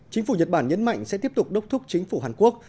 chính phủ nhật bản nhấn mạnh sẽ tiếp tục đốc thúc chính phủ hàn quốc